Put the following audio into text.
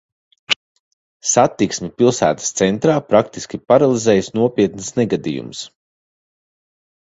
Satiksmi pilsētas centrā praktiski paralizējis nopietns negadījums.